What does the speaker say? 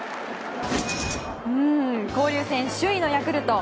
交流戦首位のヤクルト。